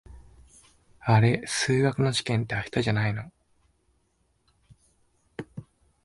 あれ、数学の試験って明日じゃないの？